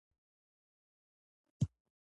زیاتره د اوبو منابع بې ځایه له منځه ځي.